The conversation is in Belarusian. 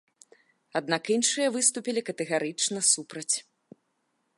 Аднак іншыя выступілі катэгарычна супраць.